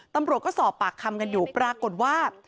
ตำรวจก็สอบปากคำกันอยู่ปรากฏว่า